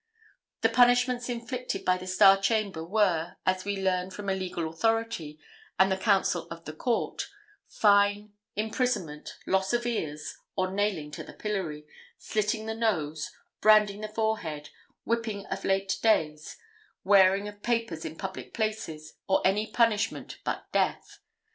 The punishments inflicted by the Star Chamber were, as we learn from a legal authority, and a counsel in the court, "fine, imprisonment, loss of ears, or nailing to the pillory, slitting the nose, branding the forehead, whipping of late days, wearing of papers in public places, or any punishment but death."